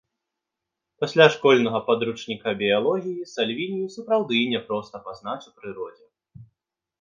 Пасля школьнага падручніка біялогіі сальвінію сапраўды няпроста пазнаць у прыродзе.